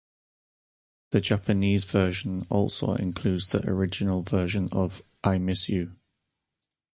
The Japanese version also includes the original version of "I Miss You".